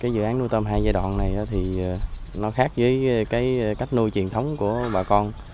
dự án nuôi tôm hai giai đoạn khác với cách nuôi truyền thống của bà con